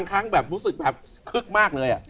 รู้สึกแบบคึกมากเลยอ่ะ